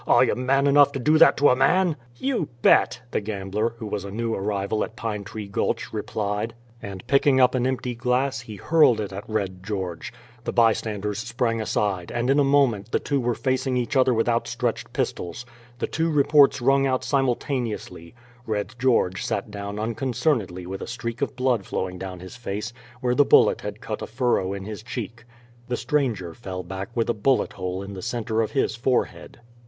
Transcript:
"Are you man enough to do that to a man?" "You bet," the gambler, who was a new arrival at Pine Tree Gulch, replied; and picking up an empty glass, he hurled it at Red George. The bystanders sprang aside, and in a moment the two men were facing each other with outstretched pistols. The two reports rung out simultaneously: Red George sat down unconcernedly with a streak of blood flowing down his face, where the bullet had cut a furrow in his cheek; the stranger fell back with a bullet hole in the center of his forehead.